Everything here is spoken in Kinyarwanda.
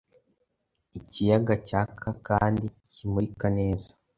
ikiyaga, cyaka, kandi kimurika neza: